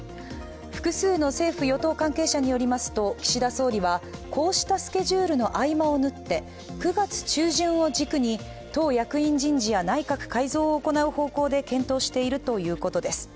複数の政府・与党関係者によりますと、岸田総理はこうしたスケジュールの合間を縫って、９月中旬を軸に党役員人事や内閣改造を行う方向で検討しているということです。